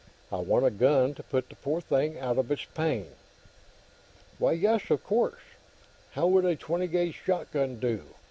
I want a gun, to put the poor thing out of its pain." "Why, yes; of course. How would a 20 gauge shotgun do?"